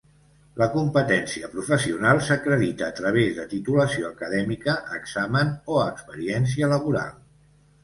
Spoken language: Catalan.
La competència professional s'acredita a través de titulació acadèmica, examen o experiència laboral.